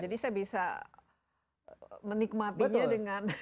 jadi saya bisa menikmatinya dengan